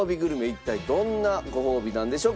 一体どんなごほうびなんでしょうか？